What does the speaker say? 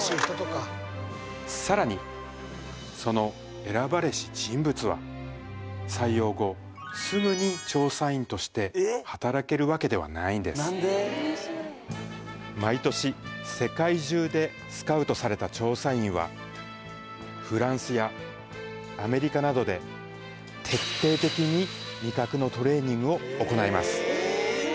さらにその選ばれし人物は採用後すぐに調査員として働けるわけではないんです毎年世界中でスカウトされた調査員はフランスやアメリカなどでを行います